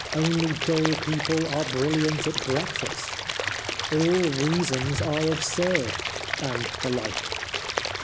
' Only dull people are brilliant at breakfast. ..'' All reasons are absurd,' and the like."